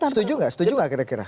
setuju gak setuju gak kira kira